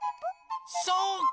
そうか！